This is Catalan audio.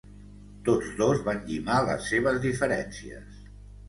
Tots dos van llimar les seves diferències.